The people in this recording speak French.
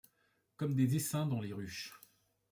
Comme des essaims dans les ruches